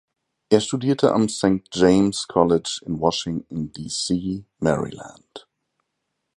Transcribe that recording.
Er studierte am Saint James College in Washington, DC, Maryland.